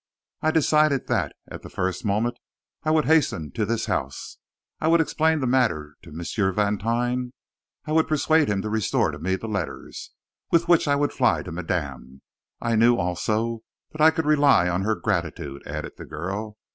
I decided that, at the first moment, I would hasten to this house; I would explain the matter to M. Vantine, I would persuade him to restore to me the letters, with which I would fly to madame. I knew, also, that I could rely upon her gratitude," added the girl.